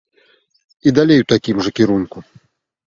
І далей у такім жа кірунку.